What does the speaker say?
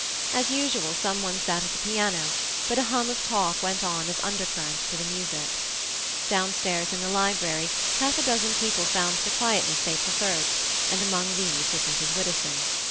As usual, some one sat at the piano, but a hum of talk went on as undercurrent to the music. Downstairs, in the library, half a dozen people found the quietness they preferred, and among these was Mrs. Widdowson.